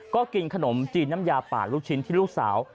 ก็กินขนมจีนน้ำยาป่าลูกชิ้นที่ลูกสาว